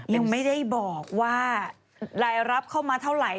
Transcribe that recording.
ยังไม่ได้บอกว่ารายรับเข้ามาเท่าไหร่